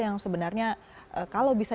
yang sebenarnya kalau bisa